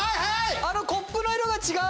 コップの色が違う。